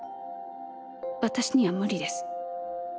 私には無理です。